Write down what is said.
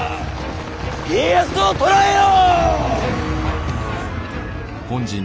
家康を捕らえよ！